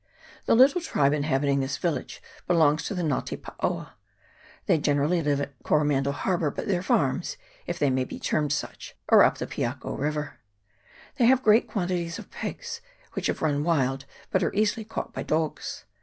The little tribe inhabiting this village belongs to the Nga te Paoa ; they gene rally live at Coromandel Harbour, but their farms, if they may be termed such, are up the Piako river. They have great quantities of pigs, which have run wild, but are easily caught by dogs.